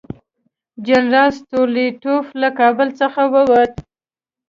جنرال سټولیټوف له کابل څخه ووت.